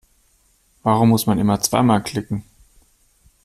Warum muss man immer zweimal klicken?